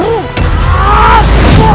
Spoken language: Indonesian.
jangan lupa untuk berlangganan